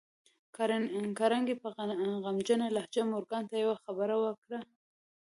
کارنګي په غمجنه لهجه مورګان ته يوه خبره وکړه.